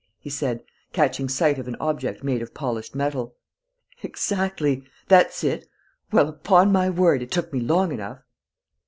he said, catching sight of an object made of polished metal. "Exactly! That's it!... Well, upon my word, it took me long enough!"